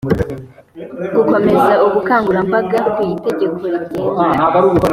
gukomeza ubukangurambaga ku itegeko rigenga